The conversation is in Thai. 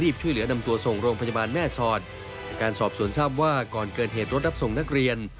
ช่วยเหลือนำตัวส่งโรงพยาบาลแม่สอดจากการสอบสวนทราบว่าก่อนเกิดเหตุรถรับส่งนักเรียน